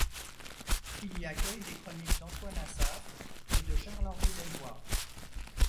Il y accueille des chroniques d'Antoine Assaf et de Charles-Henri d'Elloy.